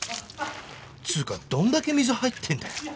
つうかどんだけ水入ってんだよ！